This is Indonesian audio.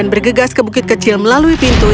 dan bergegas ke bukit kecil melalui pintunya